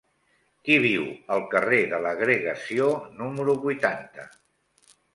Qui viu al carrer de l'Agregació número vuitanta?